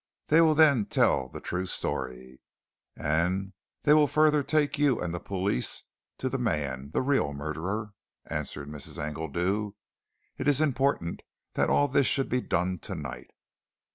They will then tell the true story, and they will further take you and the police to the man, the real murderer," answered Mrs. Engledew. "It is important that all this should be done tonight."